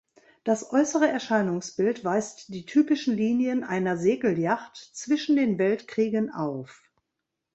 Das äußere Erscheinungsbild weist die typischen Linien einer Segelyacht zwischen den Weltkriegen auf.